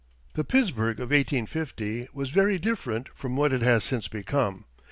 The Pittsburgh of 1850 was very different from what it has since become.